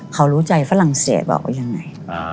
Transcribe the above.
เขารู้ใจฝรั่งเศสบอกว่ายังไง